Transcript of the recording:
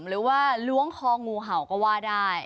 หรือว่าล้วงคองูเห่าก็ว่าได้